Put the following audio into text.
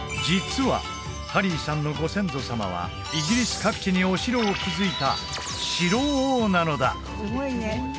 実はハリーさんのご先祖様はイギリス各地にお城を築いた城王なのだ！